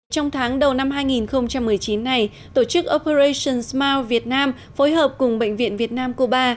trong tháng đầu năm hai nghìn một mươi chín này tổ chức operation smile việt nam phối hợp cùng bệnh viện việt nam cô ba